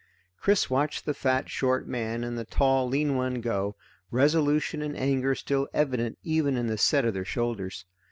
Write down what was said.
Chris watched the fat short man and the tall lean one go, resolution and anger still evident even in the set of their shoulders.